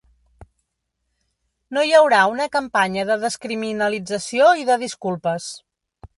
No hi haurà una campanya de descriminalització i de disculpes.